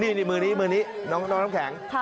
นี่มือนี้น้องน้ำแข็ง